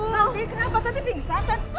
tanti kenapa tanti pingsan